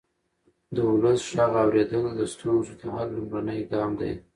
د ولس غږ اورېدل د ستونزو د حل لومړنی ګام دی